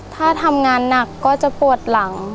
ถ้าทำงานหนักก็จะปวดหลัง